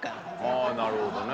ああなるほどね。